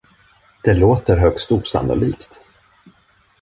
Det låter högst osannolikt!